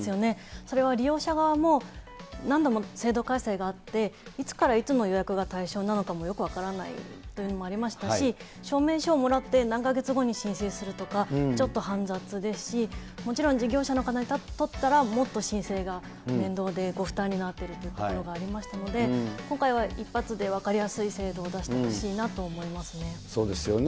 それは利用者側も、何度も制度改正があって、いつからいつの予約が対象なのかもよく分からないというのもありましたし、証明書もらって、何か月後に申請するとか、ちょっと煩雑ですし、もちろん事業者の方にとったら、もっと申請が面倒で、ご負担になっているということもありましたので、今回は一発で分かりやすい制度を出してほしいなと思いますそうですよね。